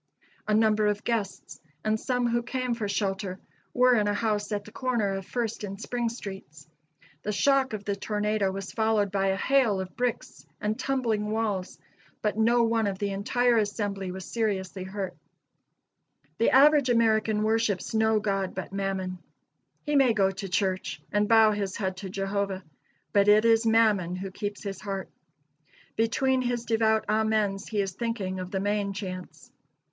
A number of guests, and some who came for shelter, were in a house at the corner of First and Spring streets. The shock of the tornado was followed by a hail of bricks and tumbling walls, but no one of the entire assembly was seriously hurt. [Illustration: WRECK AT JEFFERSONVILLE.] The average American worships no god but Mammon. He may go to church and bow his head to Jehovah, but it is Mammon who keeps his heart. Between his devout amens he is thinking of the main chance.